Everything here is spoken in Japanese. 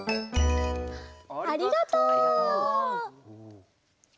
ありがとう！